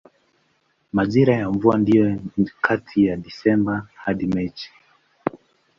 Majira ya mvua ndiyo kati ya Desemba hadi Machi.